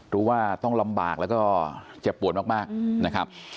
รู้ว่าต้องลำบากแล้วก็เจ็บปวดมากนะครับ